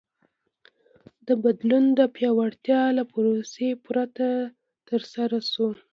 دا بدلون د پیاوړتیا له پروسې پرته ترسره شو.